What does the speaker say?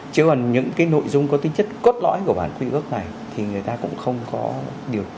chứ còn những cái nội dung có tính chất cốt lõi của bản quy ước này thì người ta cũng không có điều chỉnh